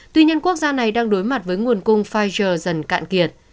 tuy nhiên quốc gia này đang đối mặt với nguồn cung pfizer dần cạn kiệt